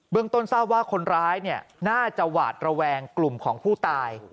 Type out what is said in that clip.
ต้นทราบว่าคนร้ายน่าจะหวาดระแวงกลุ่มของผู้ตาย